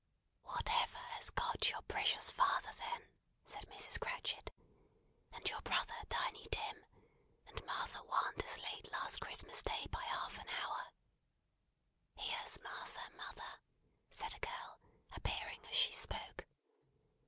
"What has ever got your precious father then?" said Mrs. Cratchit. "And your brother, Tiny Tim! And Martha warn't as late last Christmas Day by half an hour?" "Here's Martha, mother!" said a girl, appearing as she spoke.